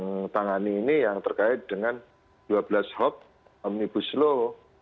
yang tangani ini yang terkait dengan dua belas hoax omnibus law